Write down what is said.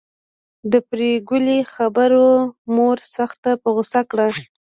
د پري ګلې خبرو مور سخته په غصه کړه